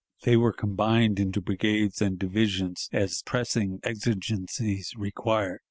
They were combined into brigades and divisions as pressing exigencies required.